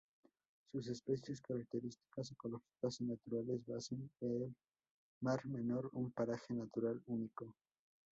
Sus especiales características ecológicas y naturales hacen del Mar Menor un paraje natural único.